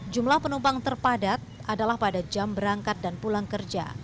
jumlah penumpang terpadat adalah pada jam berangkat dan pulang kerja